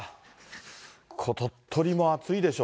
鳥取も暑いでしょ。